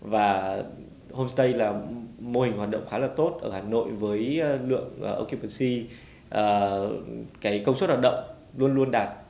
và homestay là mô hình hoạt động khá là tốt ở hà nội với lượng occupancy công suất hoạt động luôn đạt